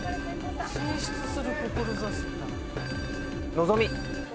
のぞみ。